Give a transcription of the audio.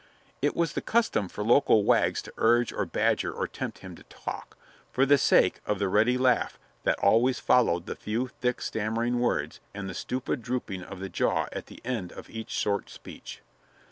It was the custom for local wags to urge, or badger, or tempt him to talk, for the sake of the ready laugh that always followed the few thick, stammering words and the stupid drooping of the jaw at the end of each short speech.